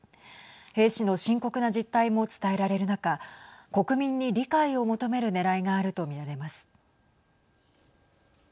兵士の深刻な実態も伝えられる中国民に理解を求めるねらいがあると見られます。